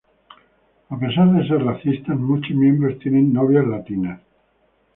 A pesar de ser racistas muchos miembros tienen novias latinas.